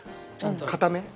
硬め？